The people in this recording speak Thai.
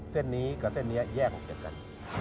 เส้นนี้กับเส้นนี้แยกออกจากกัน